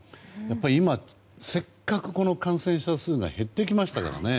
今、せっかく感染者数が減ってきましたからね。